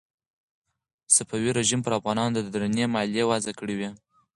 صفوي رژیم پر افغانانو درنې مالیې وضع کړې وې.